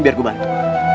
biar gua bantu